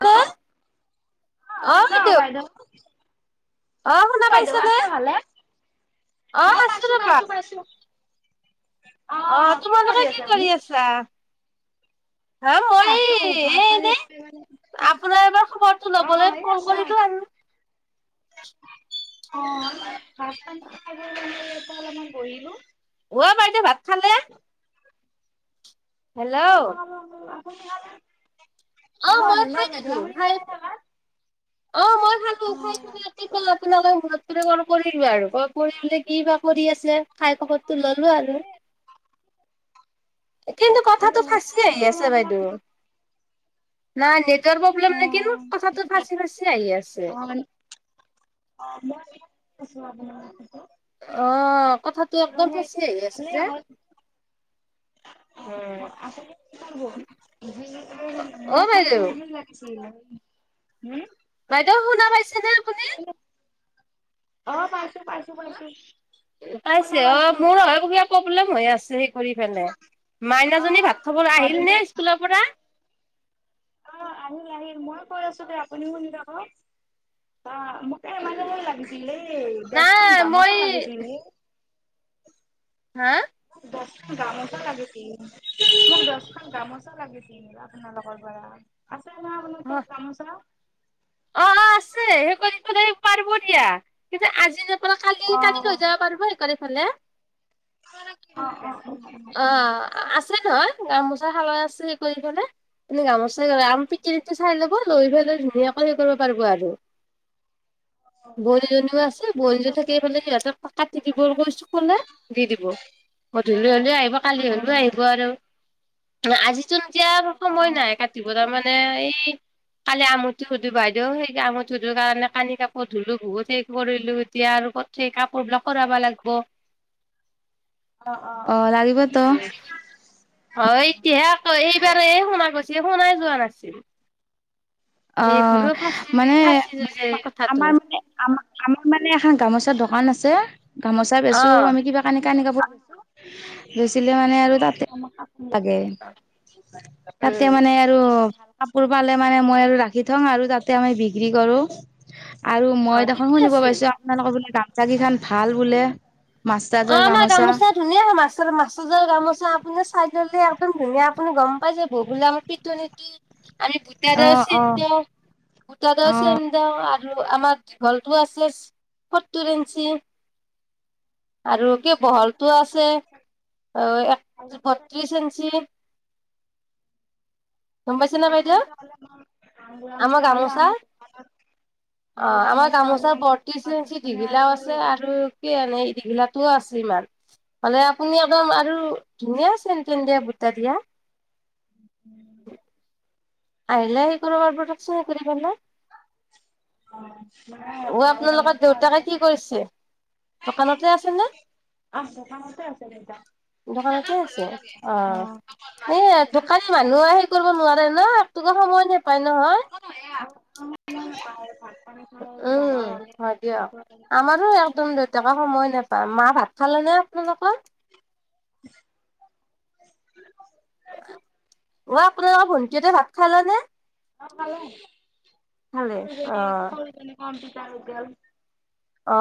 Hello অ hello বাইদেউ শুনা অ' বাইদেউ পাইছানে আছে ভালে? অ পাইছো পাইছো পাইছো। অ অহ, তোমালোকে কি আছে আপুনি কৰি আছা? হা, এ মই আছো এ ভাত পানী এনে খাই মানে অ আপোনাৰ এবাৰ খবৰটো ল'বলৈ এই ফোন আমি কৰিলো আৰু। [inaudible] অ' ভাত পানী খাই বৈ অলপমান ইয়াতে বহিলোঁ। অঁ বাইদেউ ভাত খা [inaudible] হেল্ল' আপুনি খালেনে? অ' মই খাই হেল্ল' বাইদেউ দিলো আপুনি খাই খালেনে ভাত? অ মই খালোঁ। অ খাই পেলাই ঠিক আছে [unintelligible] আপোনালৈ ঘৰত কল কৰিলোঁ আৰু কল কৰিলে কি বা কৰি আছে খাই খবৰ তো ললো আৰু। কিন্তু ভালে কথাটো হ'ল ফাঁচি মই আহি মানে আছে আপোনাক বাইদেউ, নাই নেট নেটৰ অ প্ৰব্লেম নেকিন কথাটো ফাঁচি ফাচি আহি আছে। অ [unintelligible] অ', কথাটো একদম ফাচি আহি আছে ভালে যে। হ'ল [unintelligible] অ মোক বাইদেউ মানে সেইটো লাগিছিল। হুম বাইদেউ শুনা পাইছেনে আপুনি? অ পাইছো পাইছো পাইছো। শুনা পাইছে অ পাইছো মোৰ অ কিবা প্ৰব্লেম হৈ আছিল। কৰি কেনে, অ মাইনাজনী ভাত খাবলৈ আহিল নে স্কুলৰ পৰা। অ আহিল আহিল মই কৈ আছো দে আপুনি শুনি থাকক অ। মোকে এ মানে সেই লাগিছিল এই দচখন নাই মই গামোচা লাগিছিলে। হা? মোক দচখন গামোচা লাগিছিল মোক দচখন গামোচা লাগিছিল। আপোনালোকৰ পৰা আছে না আপোনাৰ তাত গামোচা? অ অ আছে সেই কৰি পা পাৰব দিয়া কিন্তু আজি ন আপোনাৰ অ অ কালি কালি লৈ যাব পাৰব সেকাৰফালে। [unintelligible] অ'অ' অ', আছে নহয়। গামোচা খালাই আছে সেই কৰি ফেলে এনে গামোচাই আম পিটি চিটি চাই ল'ব লৈ ফেলে ধুনীয়া সেই কৰিব পাৰব আৰু। বৈনীজনীও আছে বৈনীজনী থাকেফালে সিহঁতে কাটি দিব কৈছো কলে দি দিব। গধূলি হলেও আহিব কালি অ হলেও অ অ আহিব আৰু আজি চোন দিয়াৰ সময় নাই কাটি বতাৰ মানে এই কালি আঙুঠি সুধো বাইদেউ সেই আঙুঠি সুধো কাৰণে কানি কাপোৰ ধুলো বহুত সেই কৰিলো এতিয়া আৰু ঠিক কাপোৰবিলাক কৰাব লাগব অ অ লাগিবতো অ এতিয়াহে আকৌ এইবাৰ শুনা গৈছ ছে শুনাই যোৱা নাছিল অ এই গুৰু ফাঁচি মানে ফাঁচি যে কথাটো আমাৰ মানে আ আমাৰ মানে এখন গামোচা দোকান আছে গামোচা অ বেচো আমি কিবা কানি কান কাপোৰ লৈছো লৈছিলে মানে আৰু তাতে [unintelligible] তাগে তাতে উম মানে আৰু কাপোৰ পালে মানে মই আৰু ৰাখি থঙ আৰু তাতে আমি বিক্ৰী কৰো আৰু অ মই দেখোন ঠিকে শুনিব আছে পাইছো আপোনালোকৰ বোলে দাম চাকি খন ভাল বোলে অ আমাৰ গামোচা ধুনীয়া হয় মাছ মাছ জৰ গামোচা আপুনি চাই ললে একদম ধুনীয়া আপুনি গম পাই যাব বোলে আমাৰ পিট নীতি আমি অ ভোতাৰো চিন অ দিওঁ ভোতাৰো চিন দিওঁ আৰু [unintelligible] আৰু আমাৰ দীঘলটো আছে ফতুৰেঞ্চি আৰু কি বহলতো আছে অ এক অ বত্ৰিশ ইঞ্চি গম পাইছে নে বাইদেউ আমাৰ গামোচা [unintelligible] অ ভাল আমাৰ গামোচা হ'লে গামোচাৰ আমাৰ বত্ৰিশ ইঞ্চি দোকানত মানে আৰু দীঘিলাও আছে আৰু কি এনে এই দীঘিলা টো আছ হলে আপুনি একদম আৰু ধুনীয়া চেন তেন দিয়া বুটা দিয়া উম আহিল আহ কৰবাৰবকচ নে কৰি গ ন অ ম দেউতাকে কি কৰিছে ম দোকানতে আছে নে আছ কামতে আছে নেইটা দোকানতে আছে অ এ ঢোকানী মানুহ আহ আহেই কৰিব নোৱাৰাৰে ন আটোকো সময় নাপায় নহয় [inaudible] যাবা উম, হ'লে হয় দিয়ক আমাৰো একদম দুটকা সময় নেপায় মা ভাত খালে নে আপোনালোকৰ? [inaudible] কোৱা আপোনালোকৰ ভণ্টিহঁতে ভাত খালেনে? ভাত খালে। অ সৰুজনী সৰুজনী কম্পিটাৰত গেল। অ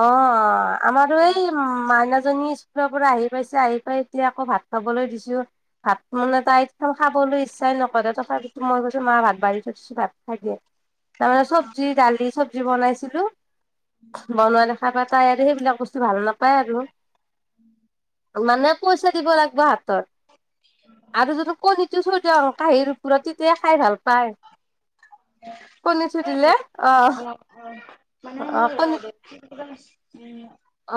' আমাৰ টো এই মাইনাচ জনী স্কুলৰ পৰা আহি পাইছে আহি পাই এতিয়া আকৌ ভাত খাবলৈ দিছো। ভাত মানে তাই একদম খাব লৈ ইচ্ছাই নকৰে তথাপি মই কৈছো মা ভাত বাৰী থৈছোঁ ভাত খাই দিয়া। তাৰমানে চবজি দালি চবজি বনাইছিলো। বনোৱা দেখা পাই তাই আৰু সেইবিলাক বস্তু ভাল নাপায় আৰু। [inaudible] মানে পইচা দিব লাগব হাত ত আৰু যদি কণীটো থৈ দিও কাঁহীৰ ওপৰত তেতিয়াই খাই ভাল পা পাই, কণী থৈদিলে অ মানে অ কণী [unintelligible]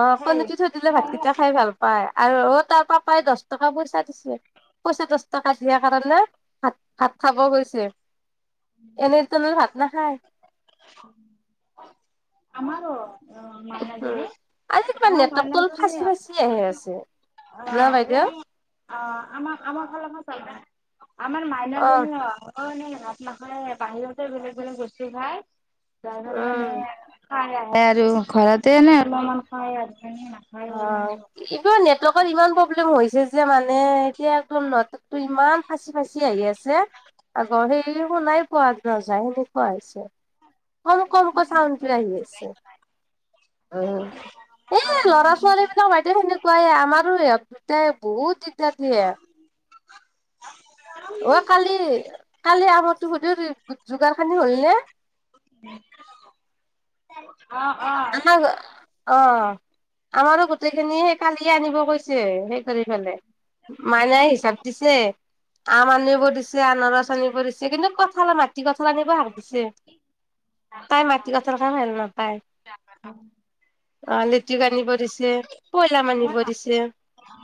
অ কয় কণীটো থৈ দিলে উম ভাতকেইটা সেই খাই ভাল পায়। আৰু অ তাৰ পাই দছ টকা পইচা দিছে। পইচা দছ টকা দিয়াৰ কাৰণে ভাত ভাত খাব গৈছে। এনেই তোনৰ ভাত নাখায়। আমাৰো, অ উম হো মাইনাজনী আজি কিবা আমাৰ নেটকটো মাইনাজনী ফাঁচি ফাচি আহি আছে। অ ন বাইদেউ [unintelligible] অ, আমাৰ আমাৰ [unintelligible] আমাৰ মাইনাজী অ [unintelligible] ভাত নাখাই বাহিৰতে বেলেগ বেলেগ বস্তু খাই যাৰ উম কাৰণে - খাই আহে আৰু ঘৰতে নে অলমান খাই আৰু - অ এইবাৰ নেটৱৰ্ক ইমান প্ৰব্লেম হৈছ - যে যে মানে এতিয়া তোন নেটৱৰ্ক ইমান ফাঁচি ফাঁচি আহি আছে। আগৰ সেই শুনাই পোৱা নাযায় সেনেকুৱা হৈছে। কম কম কৈ চাউন আহি আছে উ, ঞ ল'ৰা - ছোৱালীবিলাক বাইদেউ সেনেকুৱাই আমাৰো হেহঁত দুটাই বহুত দিগ দাৰ দিয়ে। অ, কালি কালি আমতো সুধ [unintelligible] যোগাৰ খানি হলনে? অ', অ'। [unintelligible] অ আমাৰো গোটেইখিনি কালিয়ে আনিব গৈছে হেই কৰি ফেলে। মানে হিচাপ দিছে? আম আনিব দিছে আনাৰচ আনিব দিছে কিন্তু ক'ত থলা না - মাটি কঁঠল আনিব হাক দিছে। তাই মাটি কঁঠাল খাই ভাল নাপায়। [inaudible] অ লেটুক আনিব দিছে, পইলাম আনিব দিছে। [inaudible] [inaudible]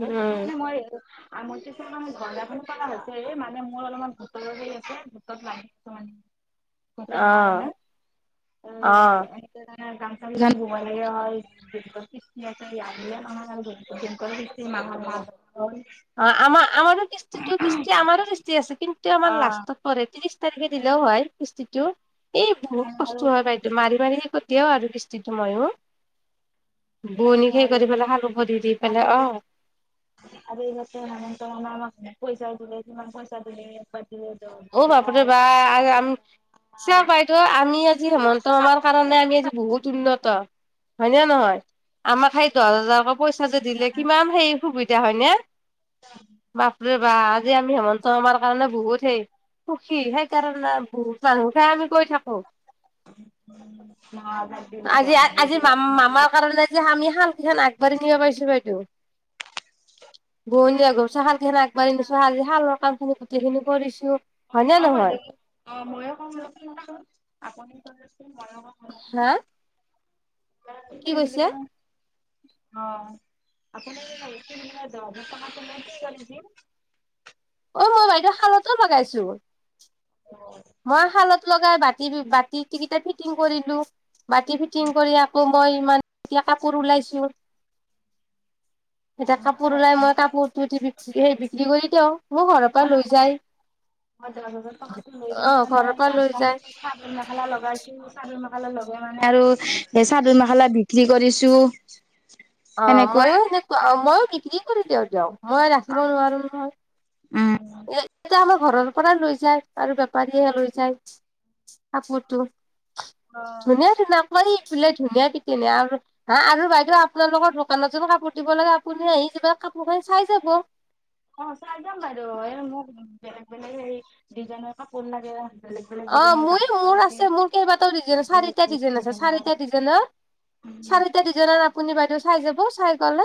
উম বতা অ কাৰণে অ [unintelligible] নাই গামচা গিখান ধোব লাগিব [unintelligible] [inaudible] অ, আমা আমাৰো কিস্তিটো কিস্তি আমাৰো কিস্তি আছে কিন্তু আমাৰ লাষ্টত পৰে তিৰিছ তাৰিখে দিলেও হয় কিস্তটো, এই বহুত আৰু কষ্ট হয় বাইদেউ মাৰি মাৰি শেষত দেও আৰু কিস্তটো মইও আৰু বোয়নি সেই আৰু কৰি [unintelligible] দি পেলে অ', হে হেমন্ত মামাই আমাক এক পইচা দিলেও [unintelligible] পইাচা দিলে একবাৰ দিলে দহ অ', হাজাৰ বাপাৰে বা চা বাইদেউ আমি আজি হেমন্ত মামাৰ কাৰণে আমি আজি বহুত উন্নত হয়নে নহয় আমাক সেই দহ হজাৰক পইচাটো দিলে কিমান হেৰি সুবিধা হয়নে বাপৰে বা আজি আমি হেমন্ত আমাৰ কাৰণে বহুত হেই সুখী সেইকাৰণে বহুত মানুহহে আমি গৈ থাকো ন হাজাৰ দিলে আজি দহ হাজাৰ আজি ম দিলে আমি মামাৰ দিলে কাৰণে আজি আমি শালকখন আগবাঢ়ি নিব পাৰিছো বাইদেউ বহনী ঘৰ শাল কেইখন আগবাঢ়ি নিছো শাল শালৰ কাম খিনি গোটেই খিনি কৰিছো হয় নে অ', নহয়? বাইদেউ অ', মইো কম লো আপুনি কম ল মই হা অ, কি কৈছে? ' আপু ন কটো ম কি কৰি [unintelligible] অ', মই বাইদেউ শালতো লগাইছো মই শালত লগাই বাতিতিটা ফিটিং কৰিলো বাতি ফিটিং কৰি আকৌ কয় ইমান এতিয়া কাপোৰ ওলাইছো এতিয়া কাপোৰ ওলাই মই কাপোৰটো বি বিক্ৰী কৰি দিওঁ মোৰ ঘৰৰ পৰা লৈ যায় মই দহ হাজাৰ খতো লৈ অ গনে মানে ঘৰৰ পৰা গান লৈ চা যায় চন মেখেলা লগাইছো চাদৰ মেখেলা লগে মানে আৰু সেই চাদৰ মেখেলা বিক্ৰী কৰিছো অ', সেনেকুৱা ময়ো আৰু সেনেকুৱা মইো বিক্ৰী কৰি দে দক মই আৰু ৰাখিব নোৱাৰো নহয় উম। আ ঘৰৰ পৰা লৈ যায় আৰু বেপাৰীয়েে লৈ যায় কাপোৰতটো অ', ধুনিয় দি ন হয়ফে ধুনীয়াাক ধনীয়া আৰু হা আৰু বাইদেউ আপোনালোকৰ দোকানত জ কাপোৰ দিব লাগে আপুনি আহি যিবিলাক কাপোৰ কান চাই যাব অ', চাই যাম বাৰু এই মোক বেলেগ বেলেগ এই ডিজাইনৰ কাপোৰ লাগে বেলেগ বেলেগ অ', ডিজাইনৰ মই গামচা মোৰ আছে মোৰ কেইবাটাও ডিজাই চাৰি বেলেগ বেলেগ ডিজাইন আছে ডিজাইনৰ চাৰিটা ডিজাইনত চাৰিটা ডিজাইন আপুনি বাইদেউ চাই যাব চাই গলে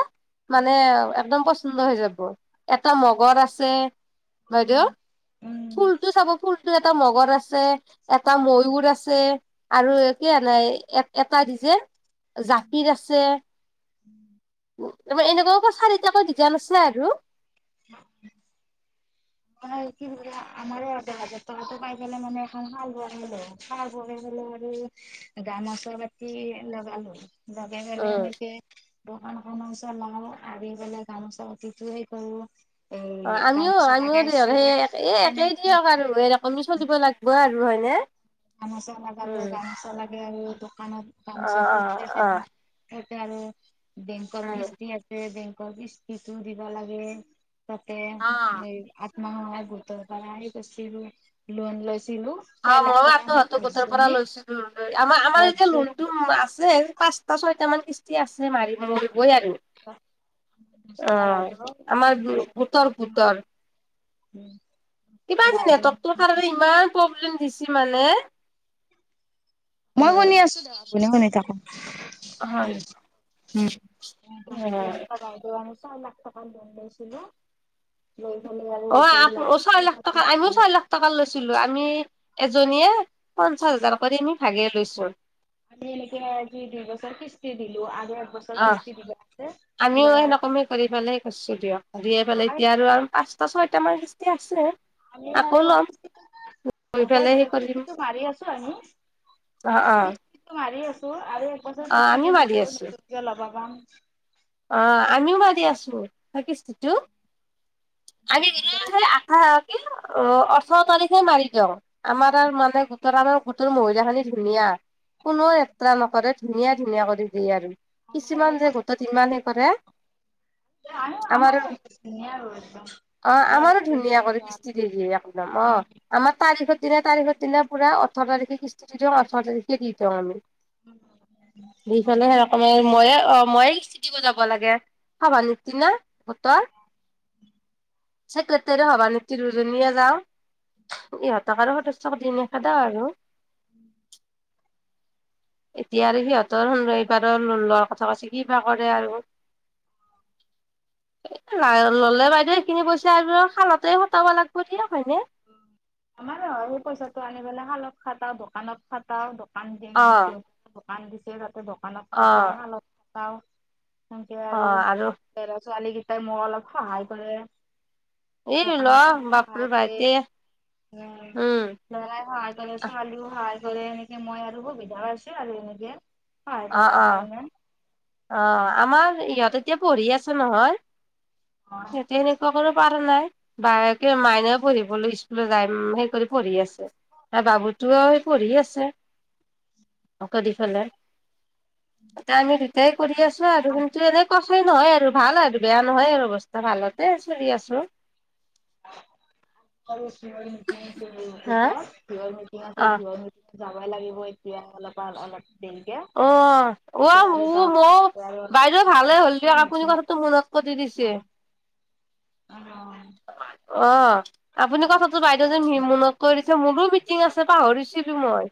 মানে একদম পচন্দ হৈ যাব এটা মগৰ আছে বাইদেউ ফুলতটো চাব ফুল টো এটা মগৰ আছে এটা ময়ুৰ আছে আৰু কি এ নাই এ এটা দিছে জাতিৰ আছে উ তাৰপ এনেকুৱা চাৰিটাকৈ ডিজাইন আছে আৰু [unintelligible] মানে কি হল আাৰ হাজাৰ টকা [unintelligible] গামাছৰ বাতি লগালো লগই ফেলে উম মক দোকানখননৰ [unintelligible] ওচ লও আহ পেলাই গামোচা অতিথয়ে কৰো অ', এই আমিও গামোচা আমিও সেই লগাইছো একেই তেনেকে দিয়ক আৰু সকমি চলিব লাগিব আৰু হয়নে গামোচা লাগাল উম গামোচা লাগে আৰু দোকানত অ গামোচা ফ অ অ তেওঁ আৰু বেংকৰ উম, কিস্তি আছে বেংকৰ কিস্তিটো দিব লাগে তাতে অ আত্মসহায়ক গোটৰ পৰা লোন লৈছিলো দিলো পাইলা তহ গোটৰ পৰা লৈছো [unintelligible] লৈ আমাৰ আমাৰ এতিয়া লোন দহজনী টো আছে পাঁচটা ছয় কেইটামান কিস্তি আছে মাৰিব। বৈ আৰু, দহটা অঁ বাইদেউ আমাৰ গোটৰ গোটৰ। উম। কিবা আজি নেটৱৰ্কটোৰ কাৰণে ইমান প্ৰব্লেম দিছি মানে। মই উম শুনি আছো দে আপুনি শুনি থাকক। হয় উম [inaudible] ছয় লাখ টকা লোণ লৈছিলো। লৈ পেলাই আৰু অ গোটেই আ ছয় লাখ পইচাটো টকা আমিও ভাগ ছয় লাখ টকা লৈছিলো আমি এজনীয়ে পঞ্চাশ হাজাৰ কৰি নি ভাগে লৈছো। আজি এনেকে দুবছৰ কিস্তি দিলো আ আ আমিও আৰু সনেকমি কৰি পেলাই কৰিছো দিয়ক, দিয়ে পেলাই এতিয়া আৰু পাচ ছয়টা মান কিস্তি আছে। আমি আকৌ আৰু ল'ম কৰি [unintelligible] পেলাই দিওঁ সেই কৰিম কিস্তিটো মাৰি আছো আমি। অ অ কিস্তিটো মাৰি আছো আৰু এছৰ অ কিস্তি আমিও দিলে মাৰি আছো [unintelligible] ল'ব পাম। অ আমিও মাৰি আছো কিস্তিটো। আমি দিয়া সেই আঠ কি অ ওঠৰ তাৰিখে মাৰি দিওঁ। আমাৰ তাৰ মানে গোটৰ আমাৰ গোটৰ মহিলাখিনি ধুনীয়া। কোনো এত্ৰা নকৰে ধুনীয়া ধুনীয়া কৰি দিয়ে আৰু, আমাৰ কিছুমান যে গোটত ইমান কৰে। আৰু আমাৰো ধুনীয়া গোটটো। অ আমাৰো ধুনীয়া কৰি কিস্তি দিয়ে একদম অ, আমাৰ তাৰিখৰ দিনা তাৰিখত স দিনা পোৰা ওঠৰ তাৰিখে কিস্তি দি দিওঁ ওঠৰ তাৰিখে দি দিওঁ আমি। দিফালে সেই ৰকমে মইয়ে অ মই [unintelligible] যাব হ'ব নৃতনা বতৰ [inaudible] চছেক্ৰেটাৰী সভানেত্ৰী দুজনীয়ে যাও। ইহঁতক আৰু সদস্য [unintelligible] নেখেদা আৰু [inaudible] এতিয়া আৰু সিহঁতৰ সন নৈপাৰৰ লোন লোৱাৰ কথা কৈছে কিবা কৰে আৰু। লাইয় ললে বাইদেউ সেইখিনি পইচা আৰু শালতে সটাব লাগব দিয়া হয়নে? আমাৰো [unintelligible] পইচাটো আনি পেলাই শালত খাটাও দোকানত খটাও দক দোকান দি অ দোকান দিছে তাতে দোকানত অ খটাও শালত খটাও। সেনেকে আৰু লৰা-ছোৱালী কেইটাই মোক অলপ সহায় কৰে। এ দোকান লৱা এটাত সহায় বাপৰ দিয়ে ভাইতি উম ল'ৰাও সহায় কৰে, ছোৱালীও সহায় কৰে। এনেকে মই আৰু সুবিধা পাইছো আৰু এনেকে সহায় অ কৰাৰ অ কাৰণে। অ আমাৰ ইহঁত এতিয়া পঢ়ি আছে নহয় অ সিহঁতে সেনেকুৱা কৰক পঢ়া ত নাই বায়েকে মাইনেও পঢ়িবলৈ স্কুলত যাই সেই কৰি পঢ়ি আছে। ত বাবুতো পঢ়ি আছে, অকদি ফালে। এ আমি দুটাই কৰি আছো আৰু আজি কিন্তু এনেই কথাই নহয় আৰু ভাল আৰু বেয়া নহয় আৰু বস্তা ভালতে চুৰি আছো। আৰু শিৰ মিটিং আছে হা ভিতত কিহৰ মিটিং অ আছে কিহৰ মিট যাবই লাগিব এতিয়া অলপ আল অলপ। দেৰিকে অ অ এতিয়া আৰু মো যাওঁ ম আৰু অলপ বাইদেউ ভালে দেৰিকে হ'ল দিয়ক গোটৰ আপুনি মিটিং আছে কথাটো মনত প দি দিছে। অ অ। অ আপুনি কথাাতটো বাইদেউ যেন হি মনক কৈ দিছে মোৰো মিটিং আছে পাহৰিছে মই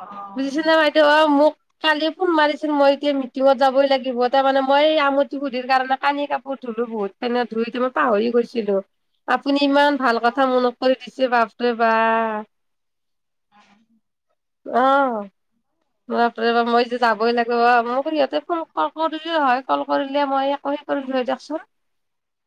অ বুজিছ অ ন বাইদেউ অ মোক কালি ফোন মাৰিছিলোন মই এতিয়া মিটিঙত যাবই লাগিব তাৰ মে মই এই আমঠি গুধিৰ কাৰণে কানি কাপোৰ ধো ো বহুত খান ধুই মই পাহৰি গৈছিলো আপুনি ইমান ভাল কথা মনত দিছিল চি বাপৰে বাা উ অ ম মই যে যাবই লাগিব অ মোক সিহঁতে ফোন কল কৰিলো হয় কল কৰিলে মই একো সেই কৰিলোঁ হয় যকচোন